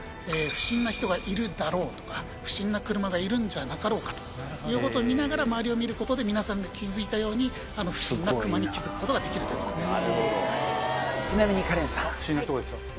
不審な人がいるだろうとか不審な車がいるんじゃなかろうかということを見ながら周りを見ることで皆さんが気付いたようにあの不審なクマに気付くことができるということです